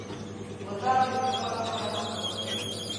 بوتل د ښکلا لپاره هم کارېږي.